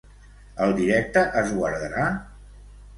El directe es guardarà?